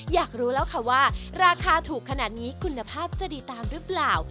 อยากรู้แล้วค่ะว่าราคาถูกขนาดนี้คุณภาพจะดีตามหรือเปล่า